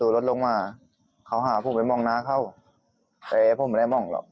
ผมเปิดตัวรถลงมาเขาหาผมไปมองหน้าค้าวแต่ผมไม่ได้มองหรอก